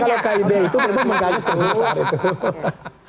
kalau kib itu memang menggalis ke seluruh saat itu